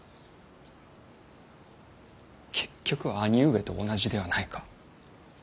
結局兄上と同じではないか。